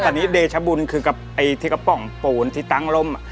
ตอนนี้เดชบุญคือกับไอ้ที่กระป๋องปูนที่ตั้งร่ม